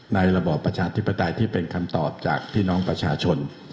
ระบอบประชาธิปไตยที่เป็นคำตอบจากพี่น้องประชาชน